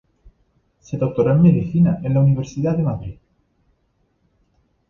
Se doctoró en Medicina en la Universidad de Madrid.